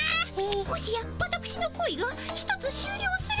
もしやわたくしのこいが１つしゅうりょうするとか。